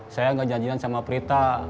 saya nggak janjian sama prita